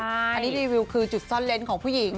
อันนี้รีวิวคือจุดซ่อนเล้นของผู้หญิง